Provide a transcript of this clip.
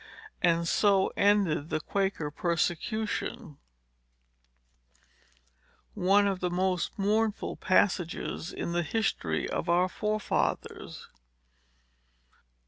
And so ended the Quaker persecution,—one of the most mournful passages in the history of our forefathers."